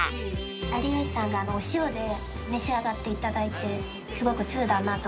有吉さんがお塩で召し上がっていただいてすごく通だなと思いました。